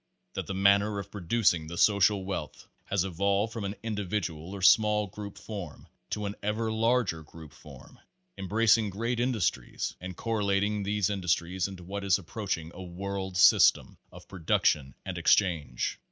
That the manner of producing the social wealth has evolved from an individual or small group form to an ever larger group form, embracing great industries and correlating these industries into what is approach ing a world system of production and exchange.